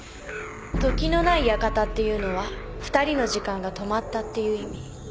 「時間のない館」っていうのは２人の時間が止まったっていう意味。